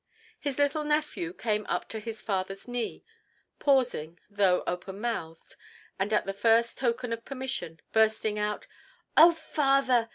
His little nephew came up to his father's knee, pausing, though open mouthed, and at the first token of permission, bursting out, "Oh! father!